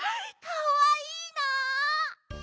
かわいいな！